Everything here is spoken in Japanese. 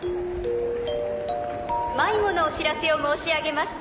迷子のお知らせを申し上げます。